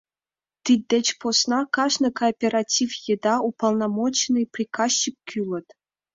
Тиддеч посна кажне кооператив еда уполномоченный, прикащик кӱлыт.